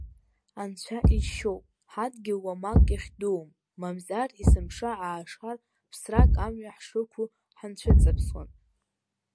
Анцәа иџьшьоуп, ҳадгьыл уамак иахьдуум, мамзар, есымша аашар, ԥсрак амҩа ҳшықәу, ҳанцәыҵаԥсуан!